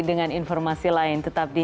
dengan informasi lain tetap di